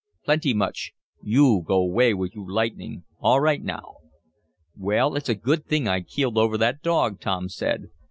Plenty much. Yo' go away with yo' lightning. All right now." "Well, it's a good thing I keeled over that dog," Tom said.